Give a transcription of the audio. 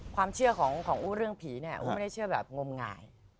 ความเชื่อของอู้เรื่องผีเนี่ยอู้ไม่ได้เชื่อแบบงมงาย